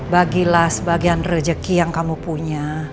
bagilah sebagian rejeki yang kamu punya